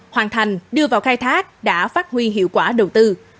hoàn thành đưa vào khai thác đã phát huy hiệu quả đầu tư